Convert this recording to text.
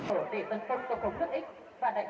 tốc độ và hoành tráng